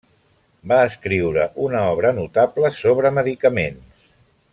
Va escriure una obra notable sobre medicaments.